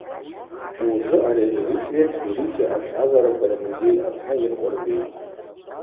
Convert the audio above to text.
Ужвы ари ареликвия Тбилиси азъазараква рмузей апны йынкъвыргитӏ.